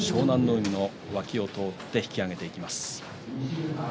海の脇を通って引き揚げていきます。